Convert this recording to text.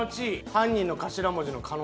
犯人の頭文字の可能性も。